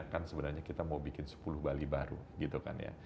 kan sebenarnya kita mau bikin sepuluh bali baru gitu kan ya